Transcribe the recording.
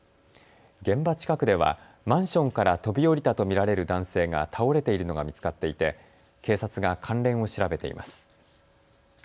現場近くではマンションから飛び降りたと見られる男性が倒れているのが見つかっていて警察が関連を調べています。